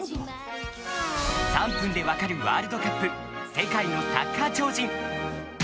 ３分でわかるワールドカップ世界のサッカー超人。